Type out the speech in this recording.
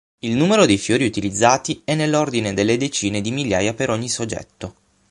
Il numero dei fiori utilizzati è nell'ordine delle decine di migliaia per ogni soggetto.